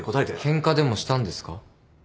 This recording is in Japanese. ケンカでもしたんですか？